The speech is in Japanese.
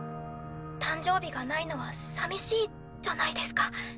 誕生日がないのはさみしいじゃないですか。